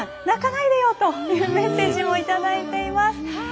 泣かないでよ！というメッセージをいただいています。